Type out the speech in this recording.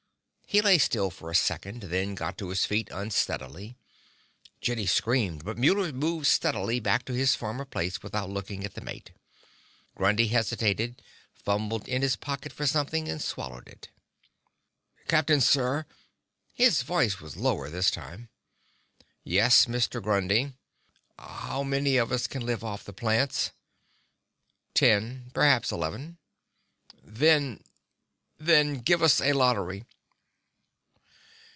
He lay still for a second, then got to his feet unsteadily. Jenny screamed, but Muller moved steadily back to his former place without looking at the mate. Grundy hesitated, fumbled in his pocket for something, and swallowed it. "Captain, sir!" His voice was lower this time. "Yes, Mr. Grundy?" "How many of us can live off the plants?" "Ten perhaps eleven." "Then then give us a lottery!"